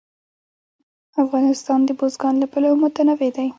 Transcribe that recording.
افغانستان د بزګان له پلوه متنوع دی.